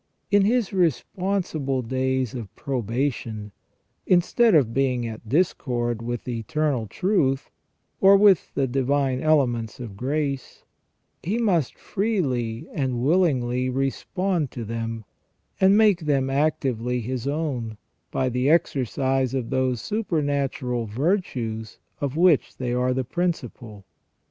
In his responsible days of pro bation, instead of being at discord with the Eternal Truth, or with the divine elements of grace, he must freely and willingly respond to them, and make them actively his own, by the exercise of those supernatural virtues of which they are the principle.